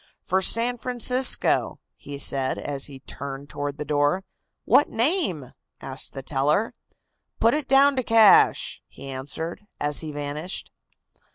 "For San Francisco," he said, as he turned toward the door. "What name?" asked the teller. "Put it down to 'cash,'" he answered, as he vanished.